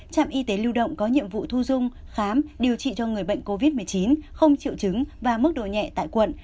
trạm y tế lưu động có nhiệm vụ thu dung khám điều trị cho người bệnh covid một mươi chín không triệu chứng và mức độ nhẹ tại quận